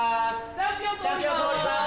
チャンピオン通ります。